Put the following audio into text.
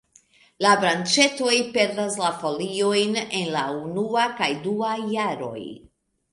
La branĉetoj perdas la foliojn en la unua kaj dua jaroj.